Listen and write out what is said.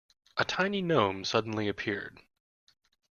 A tiny gnome suddenly appeared.